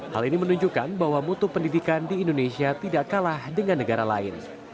hal ini menunjukkan bahwa mutu pendidikan di indonesia tidak kalah dengan negara lain